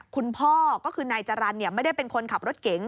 คุณพ่อก็คือนายจรรย์ไม่ได้เป็นคนขับรถเก๋ง